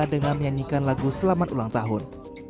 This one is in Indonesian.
dengan menyanyikan lagu selamat ulang tahun